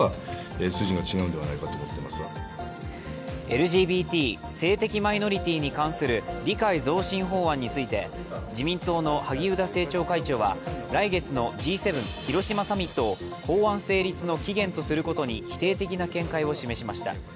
ＬＧＢＴ＝性的マイノリティに関する理解増進法案について自民党の萩生田政調会長は、来月のＧ７広島サミットを法案成立の期限とすることに否定的な見解を示しました。